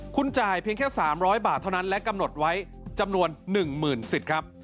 คุณจ่ายเพียงแค่๓๐๐บาทเท่านั้นและกำหนดไว้จำนวน๑๐๐๐สิทธิ์ครับ